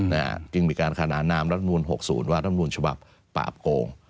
นะฮะจึงมีการขนานนามรัฐมนุม๖๐ว่ารัฐมนุมฉบับปราบโกง